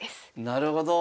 なるほど。